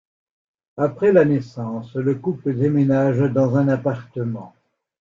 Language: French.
Après la naissance, le couple déménage dans un appartement.